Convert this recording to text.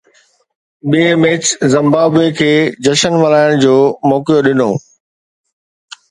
ٻئين match Zimbabwe کي جشن ملهائڻ جو موقعو ڏنو